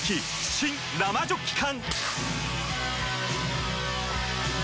新・生ジョッキ缶！